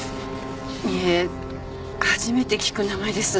いえ初めて聞く名前です。